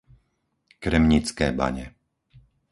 Kremnické Bane